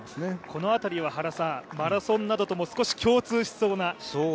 この辺りはマラソンなどとも少し共通しそうな。